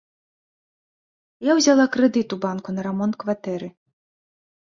Я ўзяла крэдыт у банку на рамонт кватэры.